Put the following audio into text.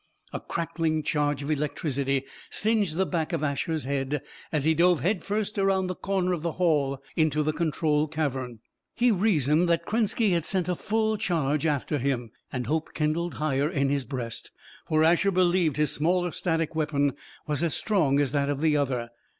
A crackling charge of electricity singed the back of Asher's head as he dove head first around the corner of the hall into the control cavern. He reasoned that Krenski had sent a full charge after him, and hope kindled higher in his breast. For Asher believed his smaller static weapon was as strong as that of the other.